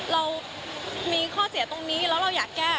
เรามีข้อเสียตรงนี้แล้วเราอยากแก้